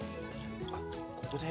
あっここで。